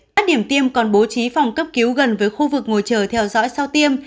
các điểm tiêm còn bố trí phòng cấp cứu gần với khu vực ngồi chờ theo dõi sau tiêm